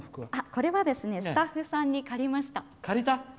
これはスタッフさんに借りました。